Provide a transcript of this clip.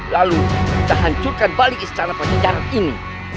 lalu kita hancurkan balik istana penjara ini